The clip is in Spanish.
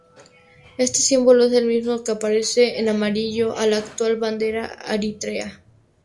Este símbolo es el mismo que aparece, en amarillo, a la actual bandera eritrea.